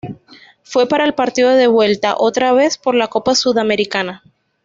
Fue para el partido de vuelta, otra vez por la Copa Sudamericana.